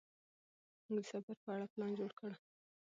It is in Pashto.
موږ د سفر په اړه پلان جوړ کړ.